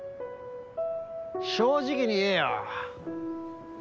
正直に言えよ。